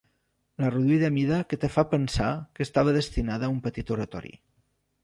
La reduïda mida que té fa pensar que estava destinada a un petit oratori.